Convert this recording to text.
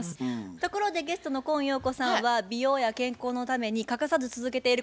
ところでゲストの今陽子さんは美容や健康のために欠かさず続けていることはありますか？